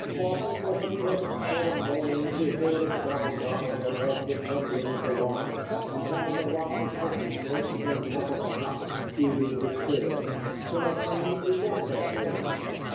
Often of a crisp autumn morning we heard a gobble gobble above the tumbling of the water and found a wild turkey perched on top of the hopper, eating his fill. Some of our meat we got that way.